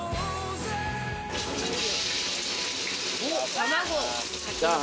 卵。